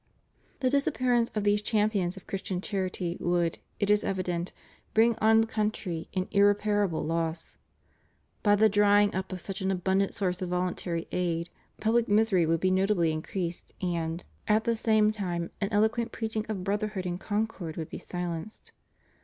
The disappearance of these champions of Christian charity would, it is evident, bring on the country an ir reparable loss. By the drying up of such an abundant source of voluntary aid, public misery would be notably increased and, at the same time, an eloquent preaching of brotherhood and concord would be silenced.